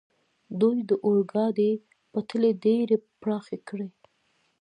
دوی د اورګاډي پټلۍ ډېرې پراخې کړې.